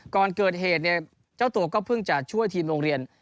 ก่อนเกิดเหตุเนี่ยเจ้าตัวก็เพิ่งจะช่วยทีมโรงเรียน